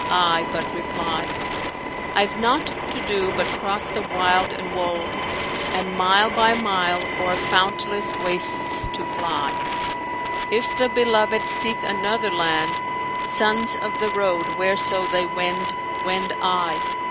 I but reply: I've naught to do but cross the wild and wold * And, mile by mile, o'er fountless wastes to fly, If the beloved seek another land * Sons of the road, whereso they wend, wend I.